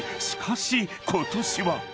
しかしことしは］